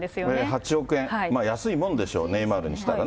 ８億円、安いもんでしょう、ネイマールにしたらね。